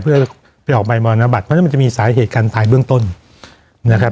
เพื่อไปออกไปมรณบัตรเพราะมันจะมีสาเหตุการตายเบื้องต้น